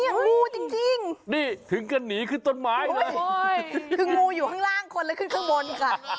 งูจริงนี่ถึงก็หนีขึ้นต้นไม้เลยคืองูอยู่ข้างล่างคนแล้วขึ้นข้างบนค่ะ